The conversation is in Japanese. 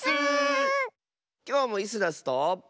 きょうもイスダスと。